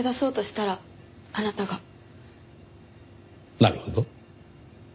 なるほど。